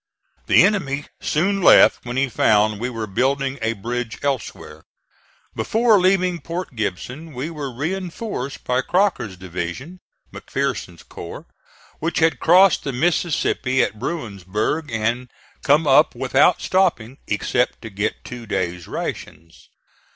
The enemy soon left when he found we were building a bridge elsewhere. Before leaving Port Gibson we were reinforced by Crocker's division, McPherson's corps, which had crossed the Mississippi at Bruinsburg and come up without stopping except to get two days' rations.